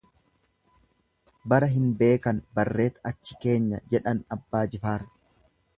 Bara hin beekan barreet achi keenya jedhan Abbaa Jifaar.